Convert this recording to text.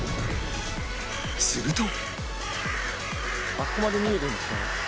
すると